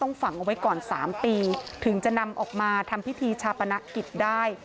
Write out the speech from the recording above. ฝังเอาไว้ก่อน๓ปีถึงจะนำออกมาทำพิธีชาปนกิจได้